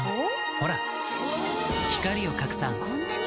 ほら光を拡散こんなに！